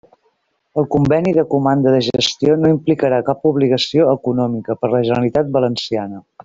El conveni de comanda de gestió no implicarà cap obligació econòmica per la Generalitat Valenciana.